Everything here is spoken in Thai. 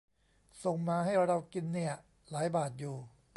ส่งมาให้เรากินเนี่ย หลายบาทอยู่